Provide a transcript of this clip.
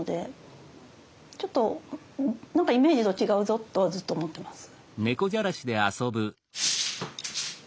ちょっと何かイメージと違うぞとはずっと思ってます。